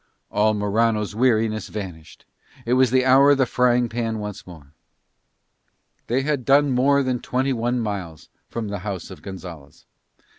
All Morano's weariness vanished: it was the hour of the frying pan once more. They had done more than twenty one miles from the house of Gonzalez.